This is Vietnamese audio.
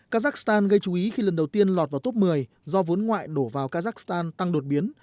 kazakhstan gây chú ý khi lần đầu tiên lọt vào top một mươi do vốn ngoại đổ vào kazakhstan tăng đột biến